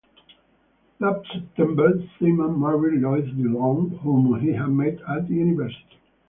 That September, Seaman married Lois DeLong, whom he had met at university.